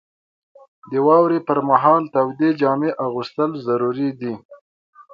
• د واورې پر مهال تودې جامې اغوستل ضروري دي.